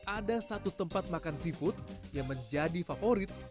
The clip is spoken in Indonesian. ada satu tempat makan seafood yang menjadi favorit